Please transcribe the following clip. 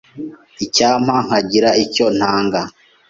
Icyampa nkagira icyo ntanga.